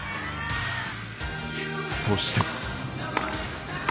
そして。